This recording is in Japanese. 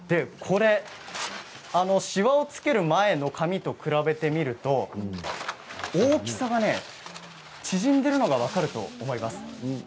しわをつける前の紙と比べてみると大きさがね、縮んでいるのが分かると思います。